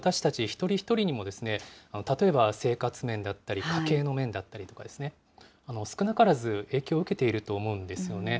一人一人にも、例えば生活面だったり家計の面だったりとかですね、少なからず影響を受けていると思うんですよね。